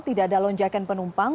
tidak ada lonjakan penumpang